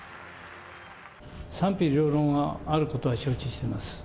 賛否両論があることは承知しております。